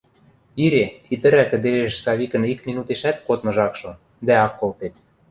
ире, итӹрӓ кӹдежеш Савикӹн ик минутешӓт кодмыжы ак шо, дӓ ак колтеп.